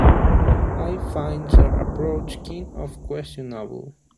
I find her approach kind of questionable.